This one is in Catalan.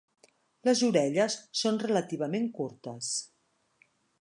Les orelles són relativament curtes.